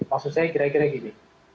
maksud saya kira kira gini